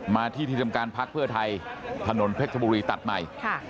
มาที่ที่ทำการพักเพื่อไทยถนนเพชรบุรีตัดใหม่